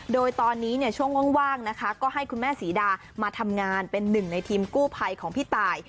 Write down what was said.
โดยตอนนี้ช่วงว่างนะคะก็ให้คุณแม่ศรีดามาทำงานเป็นหนึ่งในทีมกู้ภัยของพี่ตาย